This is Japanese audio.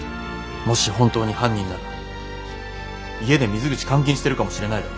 もし本当に犯人なら家で水口監禁してるかもしれないだろ。